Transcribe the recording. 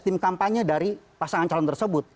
tim kampanye dari pasangan calon tersebut